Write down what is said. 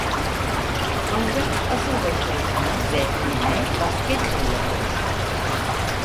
Ancak asıl başarısına ve ününe basketbolla kavuştu.